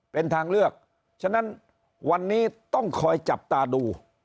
เป็นทางเลือกฉะนั้นวันนี้ต้องคอยจับตาดู